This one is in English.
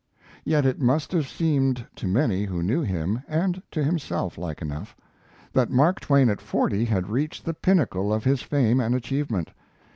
Yet it must have seemed to many who knew him, and to himself, like enough, that Mark Twain at forty had reached the pinnacle of his fame and achievement.